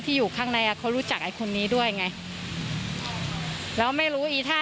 อยู่ข้างในอ่ะเขารู้จักไอ้คนนี้ด้วยไงแล้วไม่รู้อีท่า